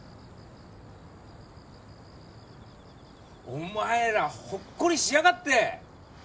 お前らほっこりしやがって！